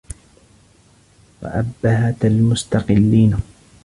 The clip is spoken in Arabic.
وَأُبَّهَةَ الْمُسْتَقِلِّينَ